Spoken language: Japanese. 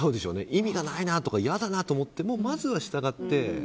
意味がないなとかいやだなと思ってもまずは従って。